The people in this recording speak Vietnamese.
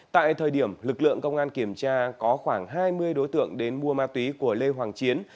tại thời điểm lực lượng công an kiểm tra có khoảng hai mươi đối tượng đến mua ma túy của lê hoàng chiến